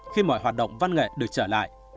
khi mọi hoạt động văn nghệ được trở lại